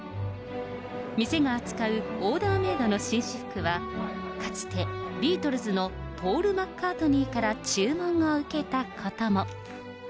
店が扱うオーダーメードの紳士服は、かつてビートルズのポール・マッカートニーから注文を受けたことも。